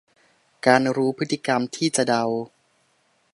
การรู้พฤติกรรมที่จะเดา